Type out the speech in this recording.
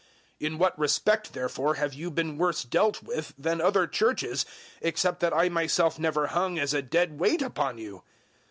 012:013 In what respect, therefore, have you been worse dealt with than other Churches, except that I myself never hung as a dead weight upon you?